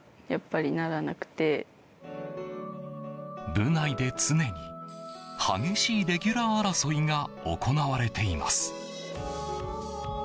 部内で常に激しいレギュラー争いが行われています。